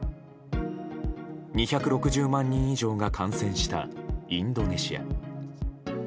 ２６０万人以上が感染したインドネシア。